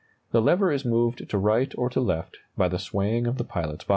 The lever is moved to right or to left by the swaying of the pilot's body.